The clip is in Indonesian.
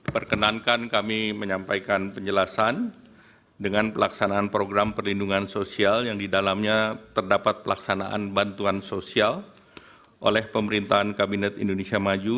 perkenankan kami menyampaikan penjelasan dengan pelaksanaan program perlindungan sosial yang didalamnya terdapat pelaksanaan bantuan sosial oleh pemerintahan kabinet indonesia maju